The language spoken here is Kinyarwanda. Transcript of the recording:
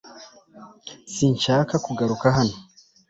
Sinshaka kugaruka hano .